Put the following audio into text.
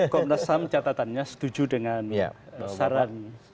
komnas ham catatannya setuju dengan saran